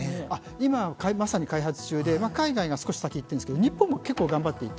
今まさに開発中で海外が少し先いってるんですけど日本も結構頑張っていて。